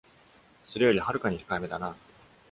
それより遥かに控えめだな。